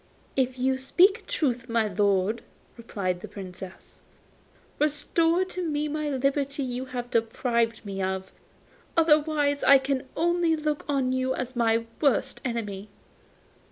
'If you speak truth, my lord,' replied the Princess, 'restore to me the liberty you have deprived me of. Otherwise I can only look on you as my worst enemy.